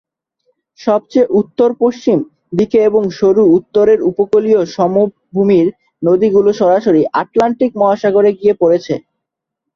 সবচেয়ে উত্তর-পশ্চিম দিকের এবং সরু উত্তরের উপকূলীয় সমভূমির নদীগুলি সরাসরি আটলান্টিক মহাসাগরে গিয়ে পড়েছে।